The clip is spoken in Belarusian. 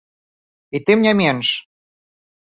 І тым не менш!